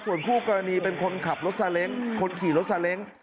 ส่วนคู่กรณีเป็นคนขับรถซาเล้งคนขี่รถซาเล้ง